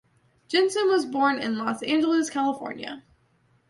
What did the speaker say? Jensen was born in Los Angeles, California.